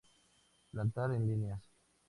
Plantar en líneas.